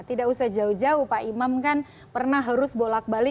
tidak usah jauh jauh pak imam kan pernah harus bolak balik